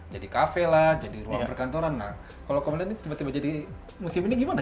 jadi kafe lah jadi ruang perkantoran nah kalau komandan ini tiba tiba jadi musim ini gimana